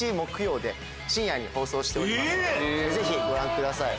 ぜひご覧ください。